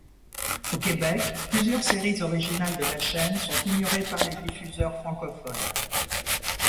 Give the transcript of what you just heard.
Au Québec, plusieurs séries originales de la chaîne sont ignorées par les diffuseurs francophones.